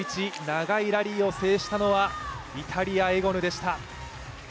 長いラリーを制したのはイタリア・エゴヌでした。